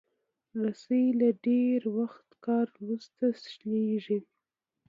رسۍ له ډېر وخت کار وروسته شلېږي.